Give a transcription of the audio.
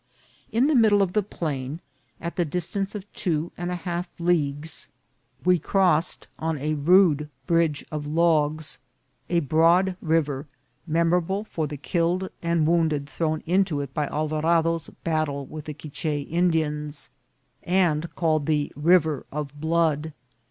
In the middle of the plain, at the distance of two and a half leagues, we VOL. II.— C c 202 INCIDENTS OF TRAVEL. crossed, on a rude bridge of logs, a broad river, memo rable for the killed and wounded thrown into it in Alva rado's battle with the Quich6 Indians, and called the "River of Blood."